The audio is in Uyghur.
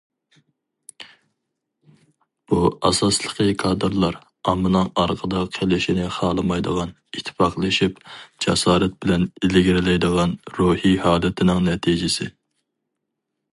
بۇ ئاساسلىقى كادىرلار، ئاممىنىڭ ئارقىدا قېلىشىنى خالىمايدىغان، ئىتتىپاقلىشىپ، جاسارەت بىلەن ئىلگىرىلەيدىغان روھىي ھالىتىنىڭ نەتىجىسى.